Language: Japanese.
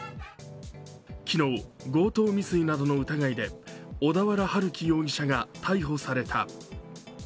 昨日、強盗未遂などの疑いで小田原春輝容疑者が逮捕された。